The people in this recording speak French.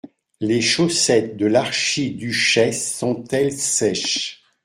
Les chaussettes de l’archiduchesse sont-elles sèches ?